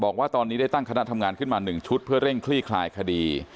บอกว่าตอนนี้ได้ตั้งคณะทำงานขึ้นมา๑ชุดเพื่อเร่งคลี่คลายคดี